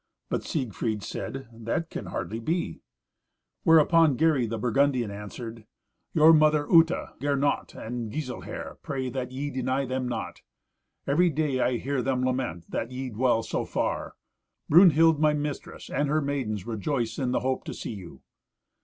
But Siegfried said, "That can hardly be." Whereupon Gary the Burgundian answered, "Your mother Uta, Gernot, and Giselher, pray that ye deny them not. Every day I hear them lament that ye dwell so far. Brunhild my mistress, and her maidens, rejoice in the hope to see you."